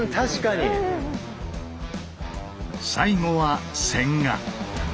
最後は千賀。